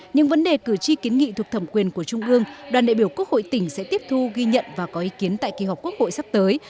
những vấn đề cử tri kiến nghị thuộc thẩm quyền của trung ương đoàn đại biểu quốc hội tỉnh sẽ tiếp thu ghi nhận và có ý kiến tại kỳ họp quốc hội sắp tới